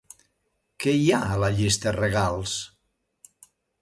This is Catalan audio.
Què hi ha a la llista "regals"?